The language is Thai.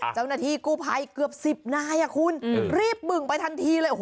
เจ้าหน้าที่กู้ภัยเกือบ๑๐นายคุณรีบบึ่งไปทันทีเลย